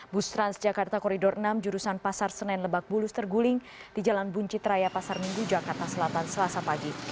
bus transjakarta koridor enam jurusan pasar senen lebakbulus terguling di jalan buncitraya pasar minggu jakarta selatan selasa pagi